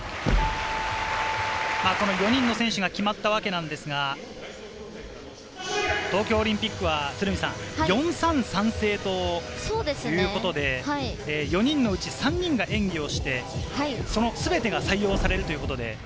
この４人の選手が決まったわけですが、東京オリンピックは４ー３ー３制ということで４人のうち３人が演技をして、そのすべてが採用されるということで。